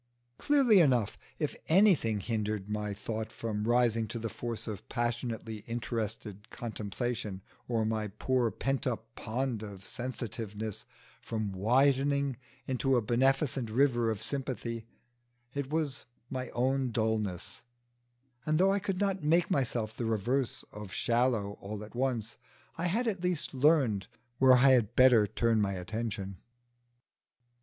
Clearly enough, if anything hindered my thought from rising to the force of passionately interested contemplation, or my poor pent up pond of sensitiveness from widening into a beneficent river of sympathy, it was my own dulness; and though I could not make myself the reverse of shallow all at once, I had at least learned where I had better turn my attention.